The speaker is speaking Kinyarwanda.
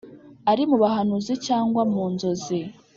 ari mu bahanuzi cyangwa mu nzozi